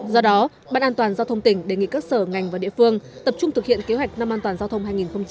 do đó ban an toàn giao thông tỉnh đề nghị các sở ngành và địa phương tập trung thực hiện kế hoạch năm an toàn giao thông hai nghìn hai mươi